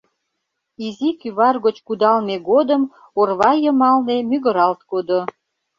Изи кӱвар гоч кудалме годым орва йымалне мӱгыралт кодо.